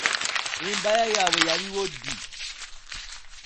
Embaya yaabwe yaliwo ddi?